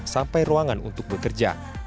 sampai ruangan untuk bekerja